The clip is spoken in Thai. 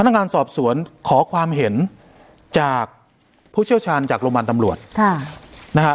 นักงานสอบสวนขอความเห็นจากผู้เชี่ยวชาญจากโรงพยาบาลตำรวจค่ะนะฮะ